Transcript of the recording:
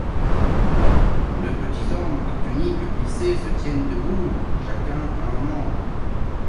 Deux petits hommes à tunique plissée se tiennent debout, chacun à un angle.